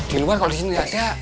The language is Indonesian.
di luar kalau di sini gak ada